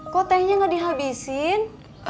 kok tehnya gak dihabisin